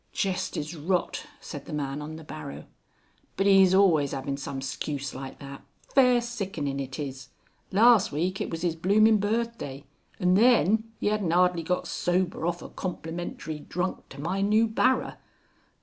"Jest is rot," said the man on the barrow. "But 'E's always avin' some 'scuse like that. Fair sickenin it is. Lars week it wus 'is bloomin' birthday, and then 'e ad'nt ardly got sober orf a comlimentary drunk to my noo barrer.